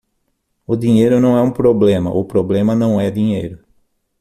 O dinheiro não é um problema, o problema não é dinheiro